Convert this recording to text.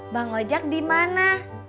bang ojak dimana